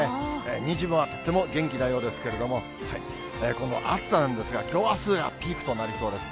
にじモはとっても元気なようですけれども、この暑さなんですが、きょうあすがピークとなりそうです。